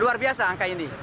luar biasa angka ini